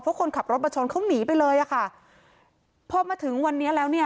เพราะคนขับรถมาชนเขาหนีไปเลยอ่ะค่ะพอมาถึงวันนี้แล้วเนี่ย